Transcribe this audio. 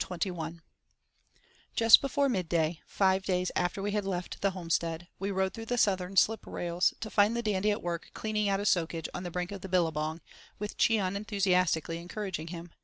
CHAPTER XXI Just before mid day—five days after we had left the homestead—we rode through the Southern slip rails to find the Dandy at work "cleaning out a soakage" on the brink of the billabong, with Cheon enthusiastically encouraging him.